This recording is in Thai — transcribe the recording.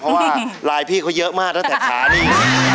เพราะว่าลายพี่เขาเยอะมากตั้งแต่ขานี่